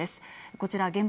こちら現場